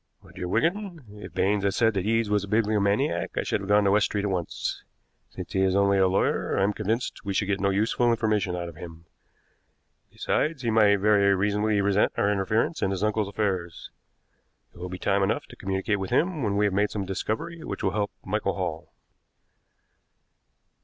"My dear Wigan, if Baines had said that Eade was a bibliomaniac I should have gone to West Street at once. Since he is only a lawyer, I am convinced we should get no useful information out of him. Besides, he might very reasonably resent our interference in his uncle's affairs. It will be time enough to communicate with him when we have made some discovery which will help Michael Hall."